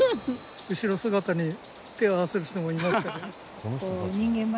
後ろ姿に手を合わせる人もいますから。